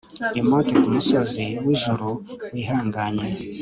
remote kumusozi wijuru, wihanganye